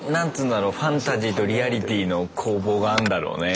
ファンタジーとリアリティーの攻防があんだろうね。